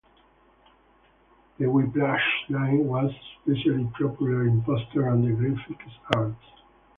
The whiplash line was especially popular in posters and the graphic arts.